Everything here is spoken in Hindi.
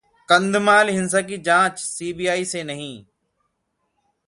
कंधमाल हिंसा की जांच सीबीआई से नहीं